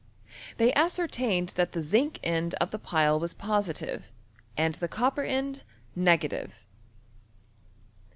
They ascertained that the zinc end of the pile was positive and the copper end negative.